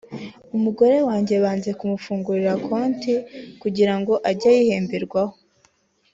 umugore wanjye banze kumufungurira konti kugira ngo ajye ayihemberwaho